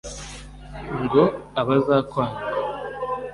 ngo abazakwanga